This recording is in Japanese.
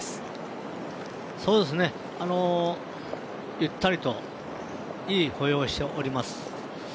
ゆったりといい歩様をしております。